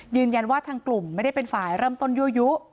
ยืนยันว่าทางกลุ่มไม่ได้เป็นฝ่ายเริ่มต้นยั่วยุ